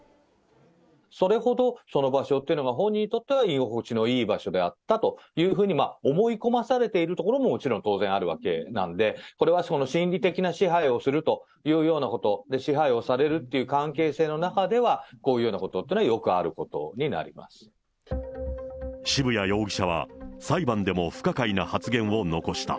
それほどその場所っていうのが、本人にとっては居心地のいい場所であったというふうに思い込まされているところももちろん当然あるわけなんで、これは心理的な支配をするというようなこと、で、支配をされるという関係性の中では、こういうようなことはよくあることになりま渋谷容疑者は、裁判でも不可解な発言を残した。